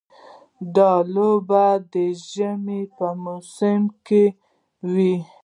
دا لوبه د ژمي په موسم کې وي.